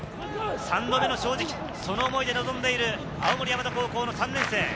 ３度目の正直、その思いで臨んでいる、青森山田高校の３年生。